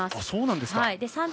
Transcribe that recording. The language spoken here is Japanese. そうなんですか。